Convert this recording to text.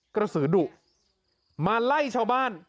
กระสือดุมาไล่ชาวบ้าน